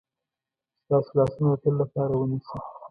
ستاسو لاسونه د تل لپاره ونیسي.